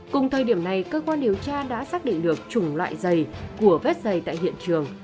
cùng thời điểm này cơ quan điều tra đã xác định được chủng loại dày của vết dày tại hiện trường